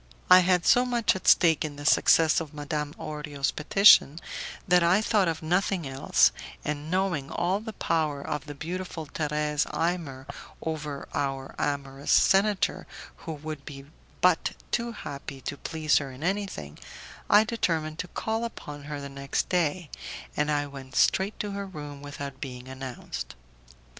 I had so much at stake in the success of Madame Orio's petition, that I thought of nothing else, and knowing all the power of the beautiful Thérèse Imer over our amorous senator, who would be but too happy to please her in anything, I determined to call upon her the next day, and I went straight to her room without being announced.